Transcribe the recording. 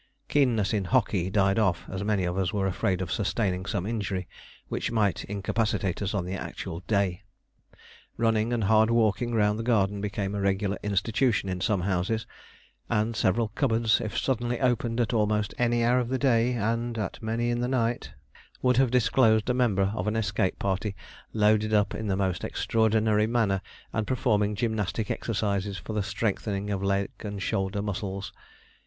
Keenness in hockey died off, as many of us were afraid of sustaining some injury which might incapacitate us on the actual day. Running and hard walking round the garden became a regular institution in some houses; and several cupboards, if suddenly opened at almost any hour of the day and at many in the night, would have disclosed a member of an escape party loaded up in the most extraordinary manner, and performing gymnastic exercises for the strengthening of leg and shoulder muscles.